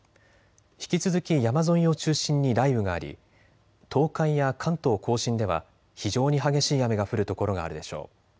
引き続き山沿いを中心に雷雨があり東海や関東甲信では非常に激しい雨が降る所があるでしょう。